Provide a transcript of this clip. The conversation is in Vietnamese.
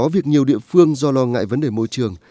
có việc nhiều địa phương do lo ngại vấn đề môi trường